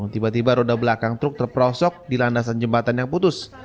tiba tiba roda belakang truk terprosok di landasan jembatan yang putus